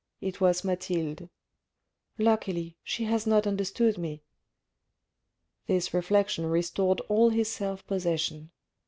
It was Mathilde. " Luckily, she has not understood me." This reflection restored all his self possession.